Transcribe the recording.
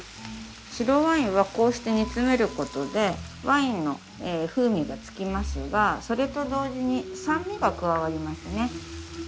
白ワインはこうして煮詰めることでワインの風味がつきますがそれと同時に酸味が加わりますね。